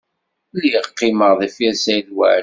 Lliɣ qqimeɣ deffir Saɛid Waɛli.